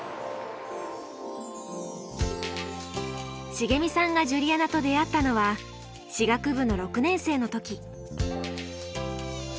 しげみさんがジュリアナと出会ったのは歯学部の６年生の時。